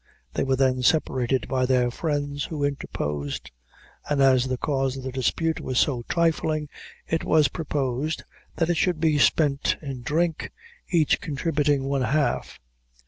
They were then separated by their friends, who interposed, and, as the cause of the dispute was so trifling, it was proposed that it should be spent in drink, each contributing one half.